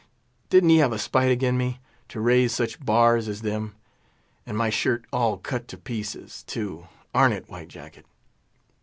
didn't he have a spite agin me, to raise such bars as them? And my shirt all cut to pieces, too—arn't it, White Jacket?